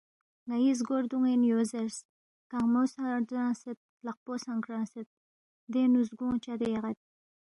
نن٘ی زگو ردُون٘ین یو زیرس، کنگمو سہ گرانگسید، لقپونگ سہ گرانگسید، دینگ نُو زگونگ چدے یغید